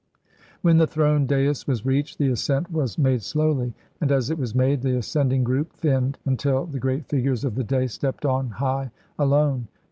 When the throned dais was reached, the ascent was made slowly, and as it was made, the ascending group thinned, until the great figures of the day stepped on high, alone.